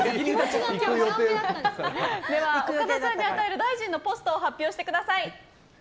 では岡田さんに与える大臣のポストを発表してください。